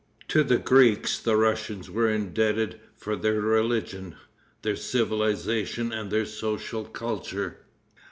To the Greeks the Russians were indebted for their religion, their civilization and their social culture.